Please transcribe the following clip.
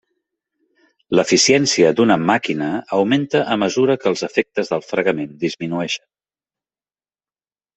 L'eficiència d'una màquina augmenta a mesura que els efectes del fregament disminueixen.